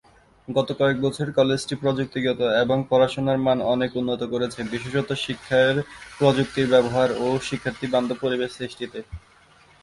গত কয়েক বছরে কলেজটি প্রযুক্তিগত এবং পড়াশোনার মান অনেক উন্নত করেছে, বিশেষত শিক্ষায় প্রযুক্তির ব্যবহার ও শিক্ষার্থী বান্ধব পরিবেশ সৃষ্টিতে।